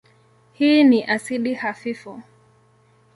Hii ni asidi hafifu.